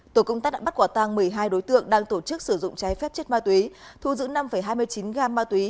tổ công tác đã bắt quả tang một mươi hai đối tượng đang tổ chức sử dụng trái phép chất ma túy thu giữ năm hai mươi chín gam ma túy